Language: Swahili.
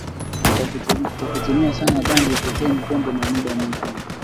kwa kutumia sana bangi cocaine pombe na muda mwingine